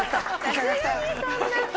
さすがにそんな。